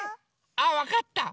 あわかった！